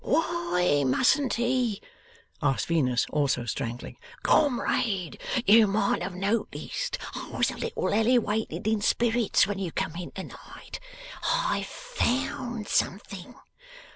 'Why mustn't he?' asked Venus, also strangling. 'Comrade, you might have noticed I was a little elewated in spirits when you come in to night. I've found something.